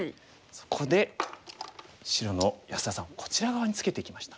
そこで白の安田さんこちら側にツケてきました。